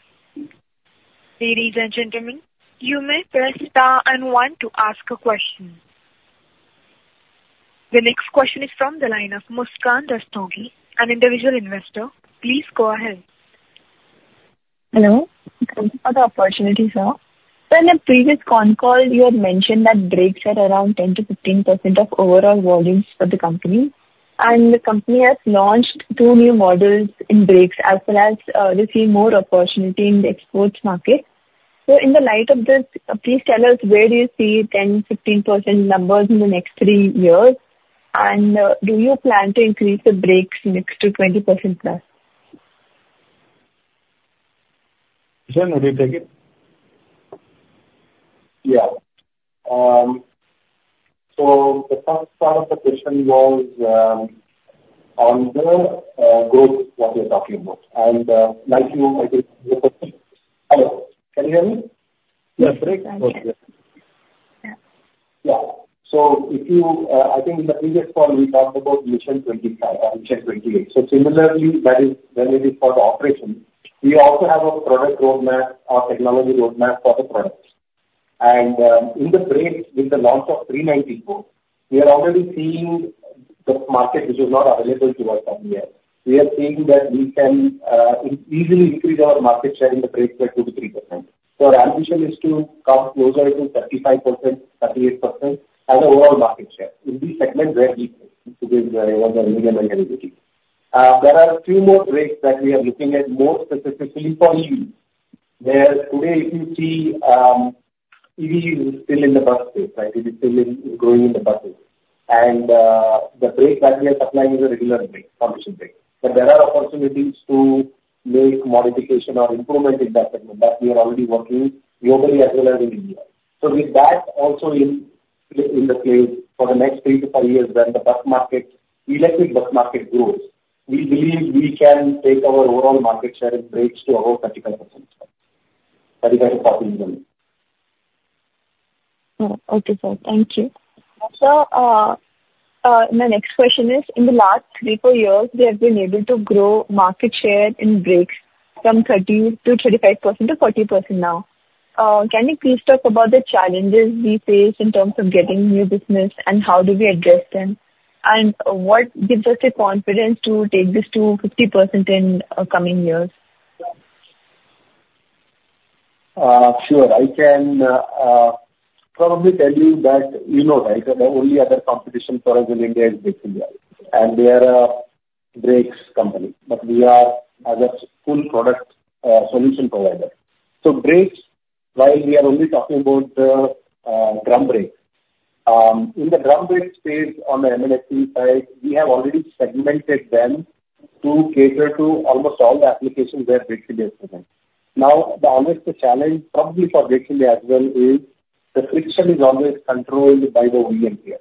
Ladies and gentlemen, you may press star and one to ask a question. The next question is from the line of Muskan Rastogi, an individual investor. Please go ahead. Hello. Thank you for the opportunity, sir. So in a previous con call, you had mentioned that brakes had around 10%-15% of overall volumes for the company. And the company has launched two new models in brakes, as well as receiving more opportunity in the exports market. So in the light of this, please tell us, where do you see 10-15% numbers in the next three years? And do you plan to increase the brakes next to 20% plus? Kishan, would you take it? Yeah. So the first part of the question was on the growth, what you're talking about, and like you said, hello? Can you hear me? Yes. Okay. Yeah. So I think in the previous call, we talked about Mission 25 and Mission 28. Similarly, that is when it is called operation, we also have a product roadmap or technology roadmap for the products. And in the brakes, with the launch of 394, we are already seeing the market, which is not available to us from here. We are seeing that we can easily increase our market share in the brakes by 2%-3%. Our ambition is to come closer to 35%-38% as an overall market share in these segments where we play, which is the medium- and heavy-duty. There are a few more brakes that we are looking at more specifically for EVs, where today, if you see EVs still in the bus space, right? It is still growing in the buses. The brakes that we are supplying is a regular brake, foundation brake. There are opportunities to make modification or improvement in that segment that we are already working globally as well as in India. With that also in place for the next three to five years, when the bus market, electric bus market grows, we believe we can take our overall market share in brakes to about 35%-40%. Okay, sir. Thank you. Sir, my next question is, in the last three to four years, we have been able to grow market share in brakes from 30% to 35% to 40% now. Can you please talk about the challenges we face in terms of getting new business, and how do we address them? And what gives us the confidence to take this to 50% in coming years? Sure. I can probably tell you that you know, right? The only other competition for us in India is Brakes India. And we are a brakes company. But we are as a full product solution provider. So brakes, while we are only talking about the drum brakes, in the drum brake space on the M&HCV side, we have already segmented them to cater to almost all the applications where Brakes India is present. Now, the honest challenge, probably for Brakes India as well, is the friction is always controlled by the OEM here,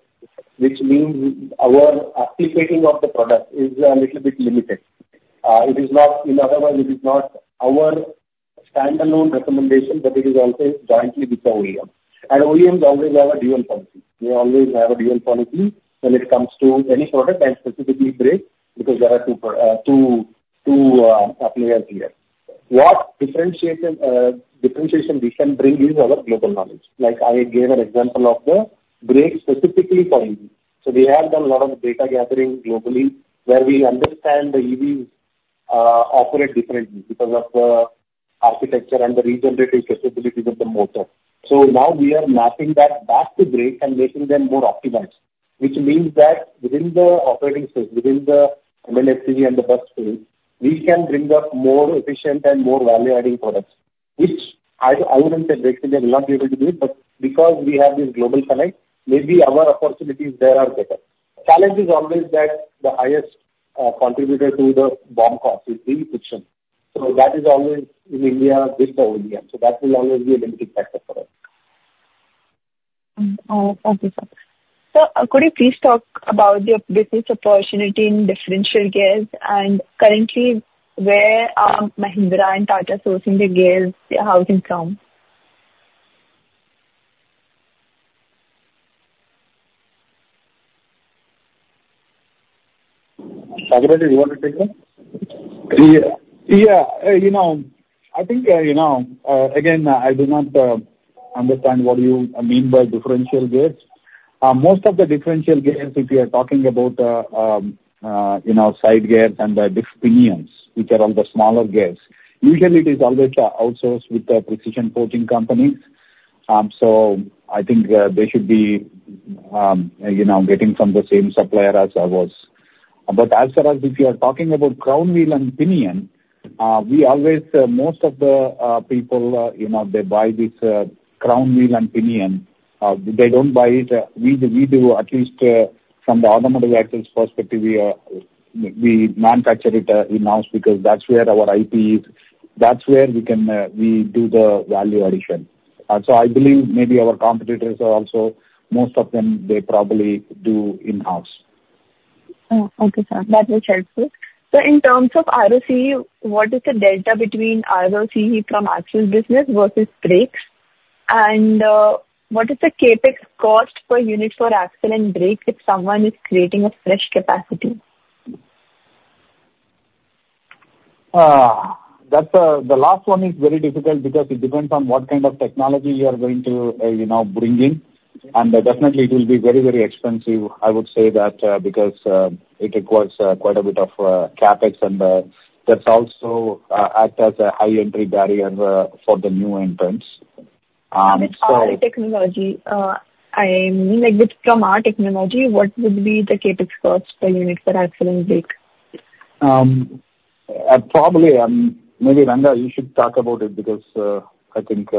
which means our application of the product is a little bit limited. It is not, in other words, it is not our standalone recommendation, but it is always jointly with the OEM. And OEMs always have a dual policy. They always have a dual policy when it comes to any product, and specifically brakes, because there are two players here. What differentiation we can bring is our global knowledge. Like I gave an example of the brakes specifically for EVs. So we have done a lot of data gathering globally where we understand the EVs operate differently because of the architecture and the regenerative capabilities of the motor. So now we are mapping that back to brakes and making them more optimized, which means that within the operating space, within the M&HCV and the bus space, we can bring up more efficient and more value-adding products, which I wouldn't say Brakes India will not be able to do it. But because we have this global connect, maybe our opportunities there are better. The challenge is always that the highest contributor to the BOM cost is the friction. So that is always in India with the OEM. So that will always be a limiting factor for us. Okay, sir. So could you please talk about your business opportunity in differential gears? And currently, where are Mahindra and Tata sourcing the gears? How is it from? Ranga, you want to take that? Yeah. I think, again, I do not understand what you mean by differential gears. Most of the differential gears, if you are talking about side gears and the pinions, which are all the smaller gears, usually it is always outsourced with the precision forging companies. So I think they should be getting from the same supplier as ours. But as far as if you are talking about crown wheel and pinion, we always, most of the people, they buy this crown wheel and pinion. They don't buy it. We do, at least from the Automotive Axles' perspective, we manufacture it in-house because that's where our IP is. That's where we do the value addition. So I believe maybe our competitors are also, most of them, they probably do in-house. Okay, sir. That was helpful. So in terms of ROC, what is the delta between ROC from axle business versus brakes? And what is the CAPEX cost per unit for axle and brake if someone is creating a fresh capacity? The last one is very difficult because it depends on what kind of technology you are going to bring in, and definitely, it will be very, very expensive, I would say, because it requires quite a bit of CAPEX, and that also acts as a high-entry barrier for the new entrants. It's from our technology. I mean, from our technology, what would be the CAPEX cost per unit for axle and brake? Probably, maybe Ranga, you should talk about it because I think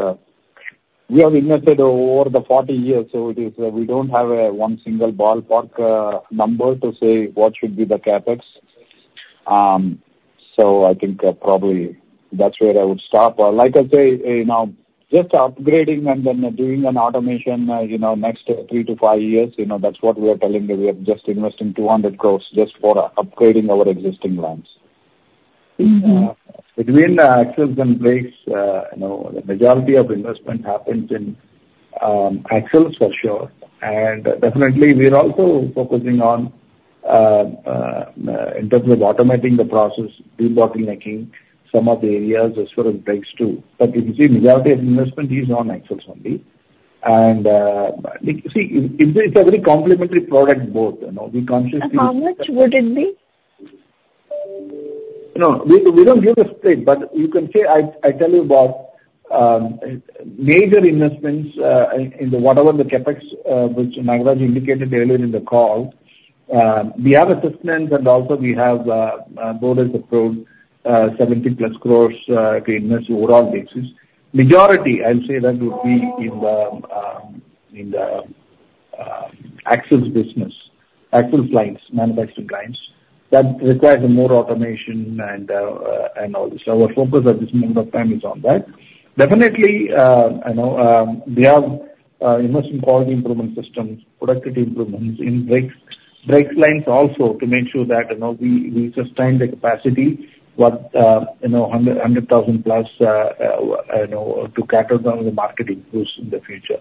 we have invested over the 40 years. So we don't have a one single ballpark number to say what should be the CAPEX. So I think probably that's where I would stop. Like I say, just upgrading and then doing an automation next three to five years, that's what we are telling that we are just investing 200 crores just for upgrading our existing lines. Between axles and brakes, the majority of investment happens in axles for sure. And definitely, we are also focusing on, in terms of automating the pROCss, debottlenecking some of the areas as far as brakes too. But you can see the majority of investment is on axles only. And see, it's a very complementary product both. We consciously. How much would it be? No, we don't give a split. But you can say, I tell you about major investments in whatever the CAPEX, which Nagaraja indicated earlier in the call. We have assistance, and also the board has approved 70-plus crores to invest overall basis. Majority, I'll say, that would be in the axle business, axle shaft manufacturing lines. That requires more automation and all this. So our focus at this moment of time is on that. Definitely, we have investment quality improvement systems, productivity improvements in brakes, brake lines also to make sure that we sustain the capacity, 100,000-plus to cater to the market boost in the future.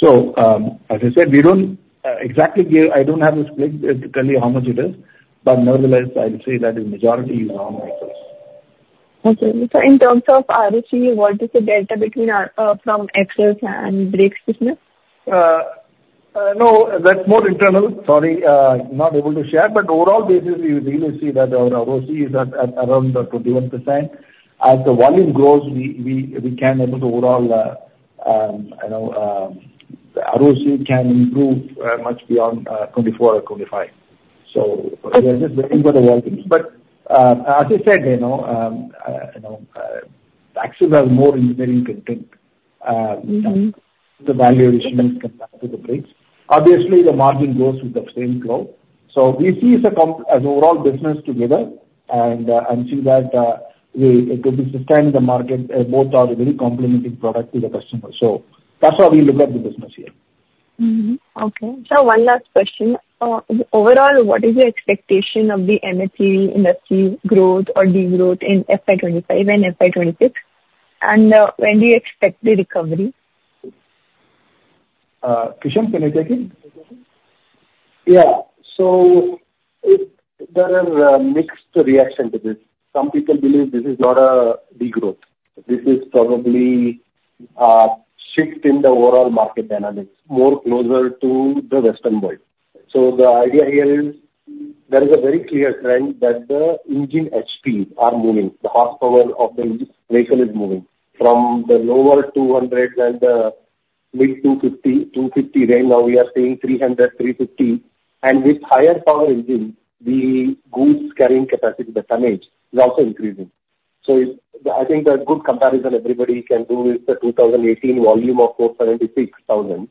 So as I said, we don't exactly give. I don't have a split to tell you how much it is. But nevertheless, I'd say that the majority is on axles. Okay. So in terms of ROC, what is the delta between front axles and brakes business? No, that's more internal. Sorry, not able to share. But overall basis, you really see that our ROC is at around 21%. As the volume grows, we can look at overall ROC can improve much beyond 24% or 25%. So we are just waiting for the volume. But as I said, axles have more engineering content. The value addition is compared to the brakes. Obviously, the margin grows with the same growth. So we see as a overall business together and see that it will be sustained in the market, both are very complementary products to the customer. So that's how we look at the business here. Okay. So one last question. Overall, what is your expectation of the M&HCV industry growth or degrowth in FY25 and FY26? And when do you expect the recovery? Kishan, can you take it? Yeah, so there is a mixed reaction to this. Some people believe this is not a degrowth. This is probably a shift in the overall market analytics, more closer to the Western world, so the idea here is there is a very clear trend that the engine HP are moving. The horsepower of the vehicle is moving from the lower 200 and the mid 250, 250 range. Now we are seeing 300, 350. And with higher power engines, the goods carrying capacity, the tonnage is also increasing, so I think the good comparison everybody can do is the 2018 volume of 476,000,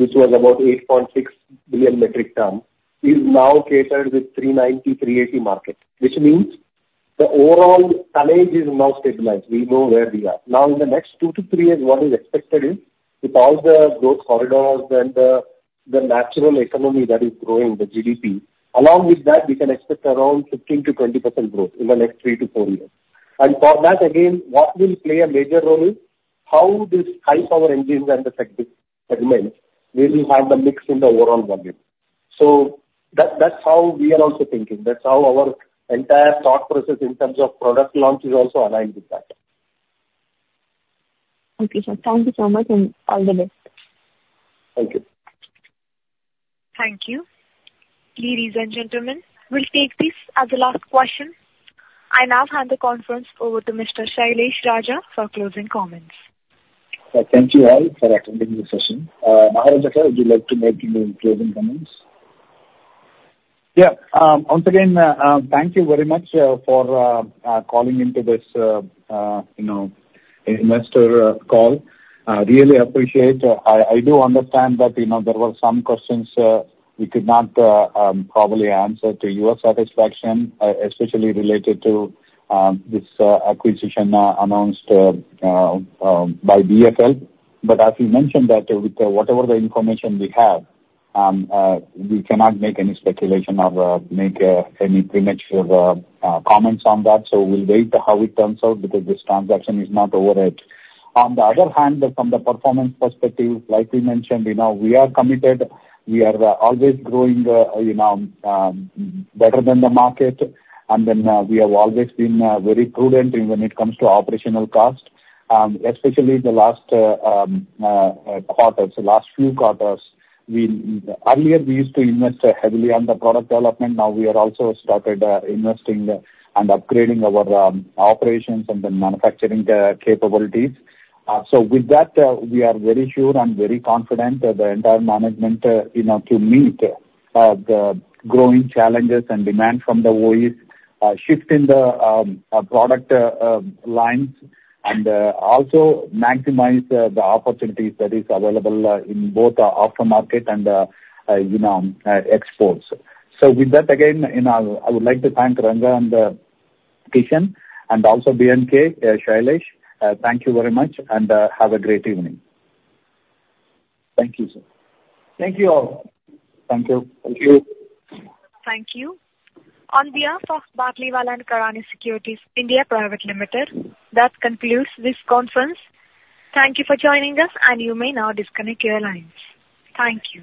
which was about 8.6 billion metric tons, is now catered with 390, 380 market, which means the overall tonnage is now stabilized. We know where we are. Now, in the next two to three years, what is expected is, with all the growth corridors and the natural economy that is growing, the GDP, along with that, we can expect around 15%-20% growth in the next three to four years. And for that, again, what will play a major role is how these high-power engines and the segments will have the mix in the overall volume. So that's how we are also thinking. That's how our entire thought pROCss in terms of product launch is also aligned with that. Okay, sir. Thank you so much, and all the best. Thank you. Thank you. Ladies and gentlemen, we'll take this as the last question. I now hand the conference over to Mr. Shailesh Raja for closing comments. Thank you all for attending this session. Nagaraja, would you like to make any closing comments? Yeah. Once again, thank you very much for calling into this investor call. Really appreciate. I do understand that there were some questions we could not probably answer to your satisfaction, especially related to this acquisition announced by BFL. But as you mentioned that with whatever the information we have, we cannot make any speculation or make any premature comments on that. So we'll wait to see how it turns out because this transaction is not over yet. On the other hand, from the performance perspective, like we mentioned, we are committed. We are always growing better than the market. And then we have always been very prudent when it comes to operational cost, especially the last quarters, the last few quarters. Earlier, we used to invest heavily on the product development. Now we have also started investing and upgrading our operations and the manufacturing capabilities. So with that, we are very sure and very confident that the entire management to meet the growing challenges and demand from the OEMs, shifting the product lines, and also maximize the opportunities that are available in both the aftermarket and exports. So with that, again, I would like to thank Ranganathan and Kishan, and also B&K, Shailesh. Thank you very much, and have a great evening. Thank you, sir. Thank you all. Thank you. Thank you. Thank you. On behalf of Batlivala & Karani Securities India Private Limited, that concludes this conference. Thank you for joining us, and you may now disconnect your lines. Thank you.